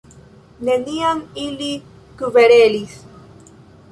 Neniam ili kverelis.